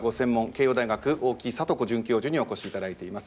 慶應大学大木聖子准教授にお越し頂いています。